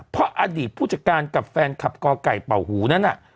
เพราะอดีตผู้จัดการกับแฟนคลับกไก่เป่าหูนั้นน่ะ